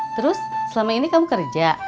terus selama ini kamu kerja